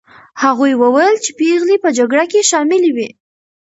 هغوی وویل چې پېغلې په جګړه کې شاملي وې.